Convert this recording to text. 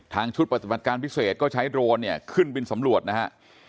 ทางชุดประจำปรรถการณ์พิเศษก็ใช้โดรนเนี่ยขึ้นเป็นสำรวจนะฮะ